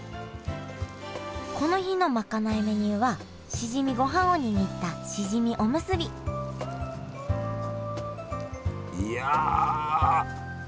この日のまかないメニューはしじみごはんを握ったしじみおむすびいや！